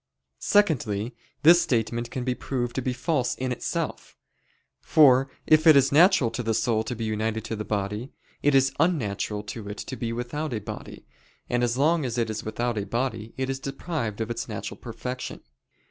Secondly, this statement can be proved to be false in itself. For if it is natural to the soul to be united to the body, it is unnatural to it to be without a body, and as long as it is without a body it is deprived of its natural perfection.